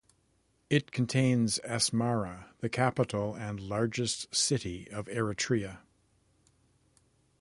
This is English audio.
It contains Asmara, the capital and largest city of Eritrea.